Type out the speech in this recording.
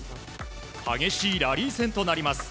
激しいラリー戦となります。